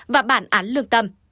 và bản án lương tâm